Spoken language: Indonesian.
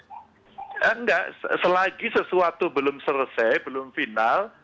enggak selagi sesuatu belum selesai belum final